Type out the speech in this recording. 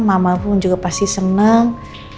mama pun juga pasti senang